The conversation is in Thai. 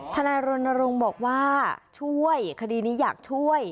นายรณรงค์บอกว่าช่วยคดีนี้อยากช่วย